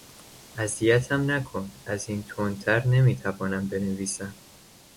اذیتم نکن! از این تندتر نمیتوانم بنویسم!